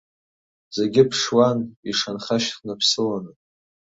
Зегьы ԥшуан, ишанха-шьхныԥсыланы.